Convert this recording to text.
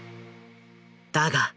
だが。